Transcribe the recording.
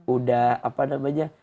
udah apa namanya